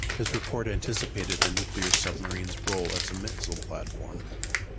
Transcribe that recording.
His report anticipated the nuclear submarine's role as a missile platform.